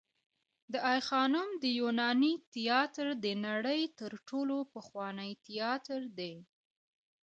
د آی خانم د یوناني تیاتر د نړۍ تر ټولو پخوانی تیاتر دی